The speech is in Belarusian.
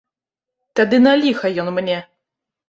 Тады на ліха ён мне?